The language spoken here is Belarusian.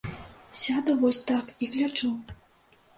Сяду вось так і гляджу!